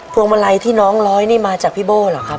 วงมาลัยที่น้องร้อยนี่มาจากพี่โบ้เหรอครับ